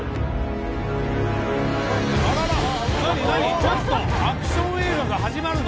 ちょっとアクション映画が始まるの？